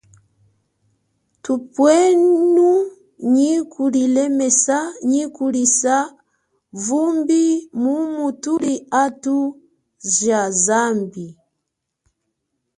Thupwenu nyi kulilemesa nyi kulisa vumbi mumu thuli athu ja zambi.